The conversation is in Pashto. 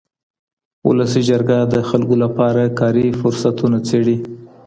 ولسي جرګه د خلګو لپاره کاري فرصتونه څېړي.